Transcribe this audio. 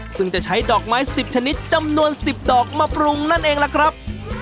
ซึ่งจะใช้ดอกไม้๑๐ชนิดจำนวน๑๐ดอกมาปรุงนั่นเองล่ะครับ